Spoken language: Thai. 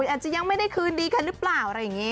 อาจจะยังไม่ได้คืนดีกันหรือเปล่าอะไรอย่างนี้